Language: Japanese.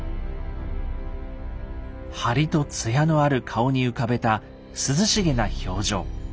張りとつやのある顔に浮かべた涼しげな表情。